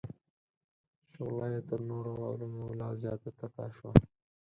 شغله یې تر نورو علومو لا زیاته تته شوه.